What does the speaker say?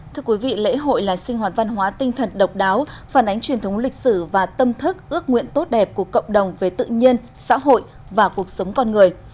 thưa quý vị lễ hội là sinh hoạt văn hóa tinh thần độc đáo phản ánh truyền thống lịch sử và tâm thức ước nguyện tốt đẹp của cộng đồng về tự nhiên xã hội và cuộc sống con người